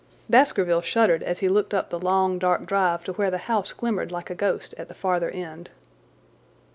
Baskerville shuddered as he looked up the long, dark drive to where the house glimmered like a ghost at the farther end.